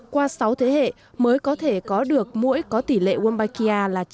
qua sáu thế hệ mới có thể có được mũi có tỷ lệ wombakia